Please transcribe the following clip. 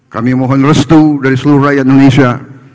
kami mohon restu dari seluruh rakyat indonesia